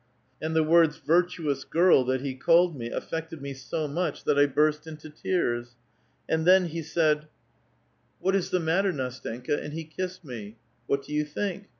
And the words, 'virtuous girl,' that he called me, affected me so much that I burst into tears. And then he said, ' What 216 A VITAL QUESTION. is the matter, N&stenka ?' and he kissed me. What do yoa think?